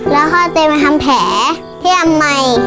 แล้วพ่อเตยมาทำแผ่ที่อนามัย